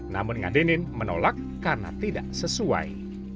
namun nga denin menolak karena tidak sesuai